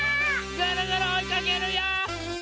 ぐるぐるおいかけるよ！